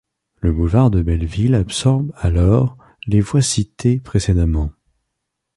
Le boulevard de Belleville absorbe alors les voies citées précédemment.